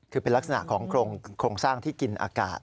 คือเป็นลักษณะของโครงสร้างที่กินอากาศ